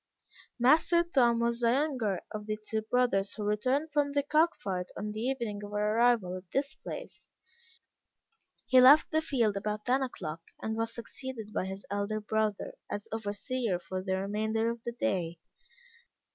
Master Tom was the younger of the two brothers who returned from the cock fight on the evening of our arrival at this place, he left the field about ten o'clock, and was succeeded by his elder brother, as overseer for the remainder of the day.